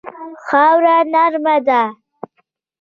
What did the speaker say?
خاوره نرمه ده.